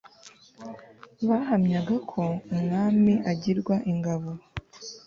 bahamyaga ko umwami agirwa n'ingabo